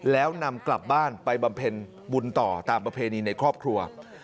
แล้วนำกลับบ้านไปบำเพ็ญบุญต่อตามประเพณีในครอบครัว